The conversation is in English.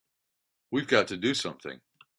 We've got to do something!